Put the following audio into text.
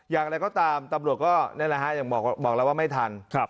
อย่างไรก็ตามตำรวจก็นี่แหละฮะอย่างบอกแล้วว่าไม่ทัน